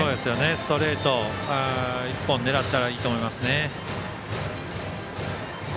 ストレート１本狙ったらいいと思います。